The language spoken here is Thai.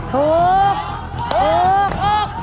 ถูก